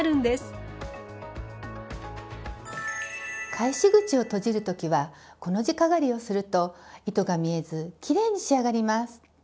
返し口を閉じる時はコの字かがりをすると糸が見えずきれいに仕上がります。